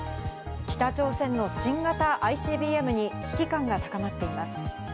北朝鮮の新型ＩＣＢＭに危機感が高まっています。